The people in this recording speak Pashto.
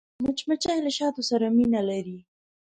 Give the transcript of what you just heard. مچمچۍ له شاتو سره مینه لري